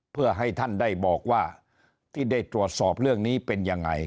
เพื่อให้ท่านได้บอกว่าที่ได้ตรวจสอบเรื่องนี้เป็นยังไง